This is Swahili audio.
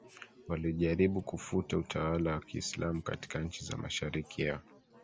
walijaribu kufuta utawala wa Kiislamu katika nchi za Mashariki ya